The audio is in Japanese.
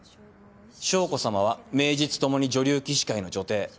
将子さまは名実ともに女流棋士界の女帝。